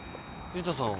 藤田さん